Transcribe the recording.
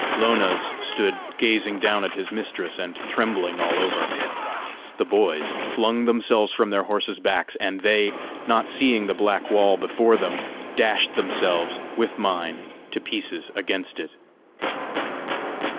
Lona's stood gazing down at his mistress, and trembling all over. The boys flung themselves from their horses' backs, and they, not seeing the black wall before them, dashed themselves, with mine, to pieces against it.